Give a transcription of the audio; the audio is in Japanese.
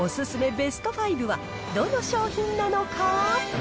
ベスト５はどの商品なのか？